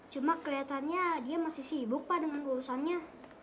cuma kelihatannya dia masih sibuk pak dengan urusannya